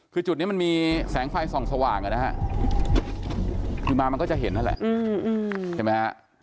คือจุดนี้มันมีแสงไฟส่องสว่างนะฮะคือมามันก็จะเห็นนั่นแหละใช่ไหมฮะ